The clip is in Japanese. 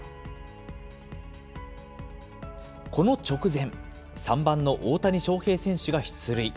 この直前、３番の大谷翔平選手が出塁。